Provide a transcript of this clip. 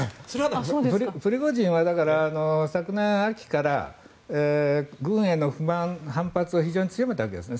プリゴジンは昨年秋から軍への不満、反発を非常に強めたわけですね。